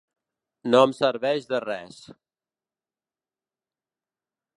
No em serveix de res.